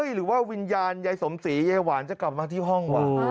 หรือว่าวิญญาณยายสมศรียายหวานจะกลับมาที่ห้องว่ะ